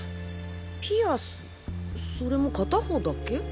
ピアスそれも片方だけ？